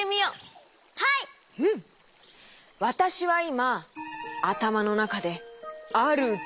わたしはいまあたまのなかであるどうぐをそうぞうしています。